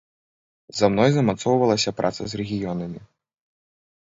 За мной замацоўвалася праца з рэгіёнамі.